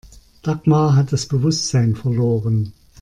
Dagmar hat das Bewusstsein verloren.